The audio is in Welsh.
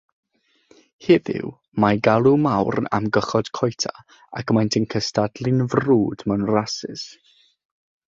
Heddiw, mae galw mawr am gychod couta ac maent yn cystadlu'n frwd mewn rasys.